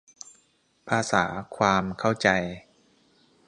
ภาษา ความ เข้าใจ